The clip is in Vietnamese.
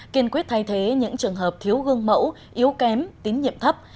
kiên quyết thay thế những trường hợp thiếu gương mẫu yếu kém tín nhiệm thấp